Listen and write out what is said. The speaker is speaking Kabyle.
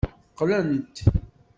Qqlent.